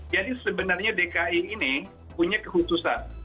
jadi sebenarnya dki ini punya kekhususan